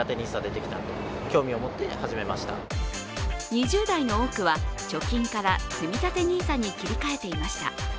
２０代の多くは貯金からつみたてＮＩＳＡに切り替えていました。